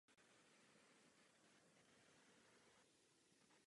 V meziválečném období byl součástí druhé Polské republiky.